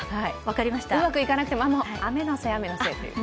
うまくいかなくても、雨のせい、雨のせいと。